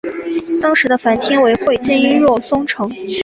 当时的藩厅为会津若松城。